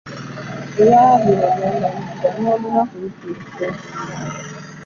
Olwali olwo nga Ng’olunaku lutuuse.